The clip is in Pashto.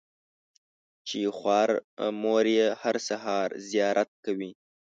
چې خواره مور یې هره سهار زیارت کوي.